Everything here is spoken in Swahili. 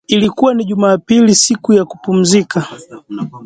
Ilikua ni jumapili siku ya kupumzika